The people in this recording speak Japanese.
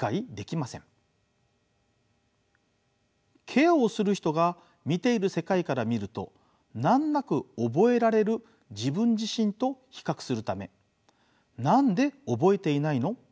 ケアをする人が見ている世界から見ると難なく覚えられる自分自身と比較するため何で覚えていないの？